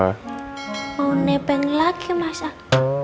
mau nepen lagi mas al